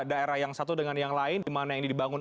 daerah yang satu dengan yang lain dimana ini dibangun